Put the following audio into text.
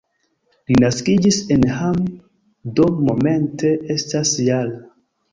Li naskiĝis en Hamm, do momente estas -jara.